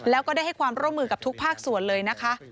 แล้วก็ได้ให้ความร่วมมือกับทุกภาคส่วนเลยนะคะ